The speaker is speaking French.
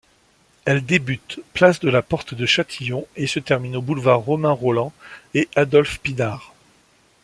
Elle débute place de la Porte-de-Châtillon et se termine aux boulevards Romain-Rolland et Adolphe-Pinard.